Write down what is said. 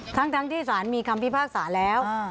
ทั้งที่สารมีคำพิพากษาแล้ว